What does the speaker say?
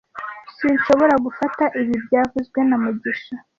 Sinshobora gufata ibi byavuzwe na mugisha